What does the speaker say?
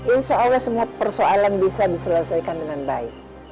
insya allah semua persoalan bisa diselesaikan dengan baik